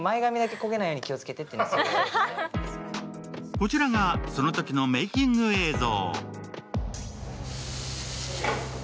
こちらがそのときのメーキング映像。